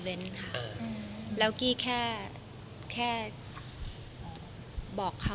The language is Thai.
ไม่ได้คุยค่ะ